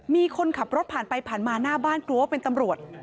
มีคนขับรถผ่านไปผ่านมาหน้าบ้านกลัวว่าเป็นตำรวจ